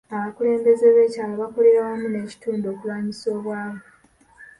Abakulembeze b'ekyalo bakolera wamu n'ekitundu okulwanyisa obwavu.